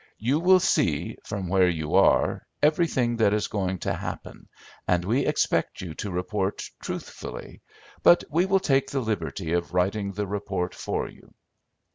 You will see, from where you are, everything that is going to happen, and we expect you to report truthfully; but we will take the liberty of writing the report for you.